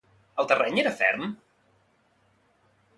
El terreny era ferm?